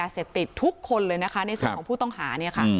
เสพติดทุกคนเลยนะคะในศพของผู้ต้องหา